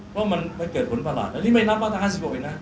เพราะมันเกิดผลประหลาดอันนี้ไม่น้ำว่าตัวข้างสิบปีอีกนะ